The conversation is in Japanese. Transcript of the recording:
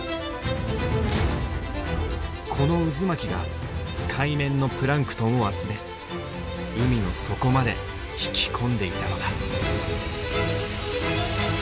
この渦巻きが海面のプランクトンを集め海の底まで引き込んでいたのだ。